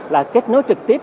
là kết nối trực tiếp